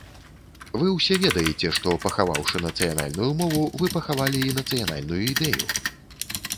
Вы ўсе ведаеце, што пахаваўшы нацыянальную мову, вы пахавалі і нацыянальную ідэю!